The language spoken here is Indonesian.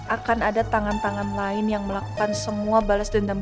akan ada tangan tangan lain yang melakukan semua balas dendam